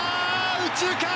右中間！